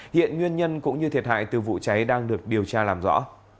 hiện nguyên nhân cũng như thiệt hại từ vụ cháy đang được điều tra làm rõ